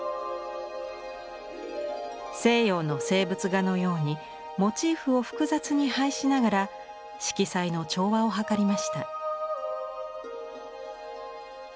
西洋の静物画のようにモチーフを複雑に配しながら色彩の調和を図りました。